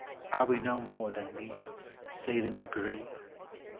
Are we no more than these, save in degree